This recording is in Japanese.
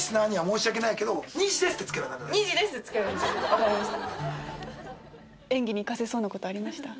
分かりました。